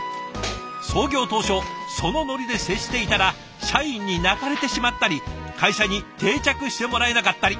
創業当初そのノリで接していたら社員に泣かれてしまったり会社に定着してもらえなかったり。